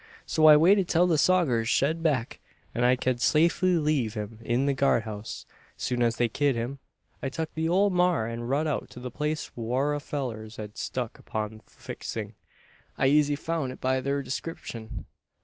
So I waited till the sogers shed get back, an I ked safely leave him in the guard house. Soon as they kim in, I tuk the ole maar and rud out to the place whar our fellurs had struck upon the fixing. I eezy foun' it by thur descripshun.